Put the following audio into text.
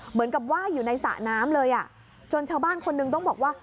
เหมือนกับว่ายอยู่ในสระน้ำเลยอ่ะจนชาวบ้านคนนึงต้องบอกว่า